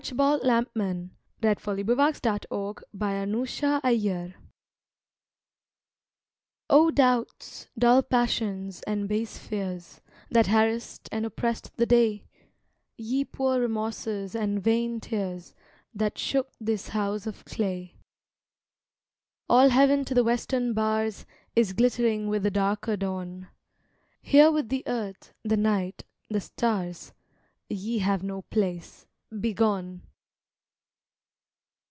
I kept saying, And the very word seemed sweet. WITH THE NIGHT O doubts, dull passions, and base fears, That harassed and oppressed the day, Ye poor remorses and vain tears, That shook this house of clay: All heaven to the western bars Is glittering with the darker dawn; Here with the earth, the night, the stars, Ye have no place: begone!